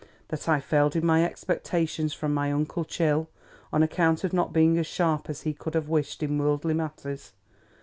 That I failed in my expectations from my uncle Chill, on account of not being as sharp as he could have wished in worldly matters.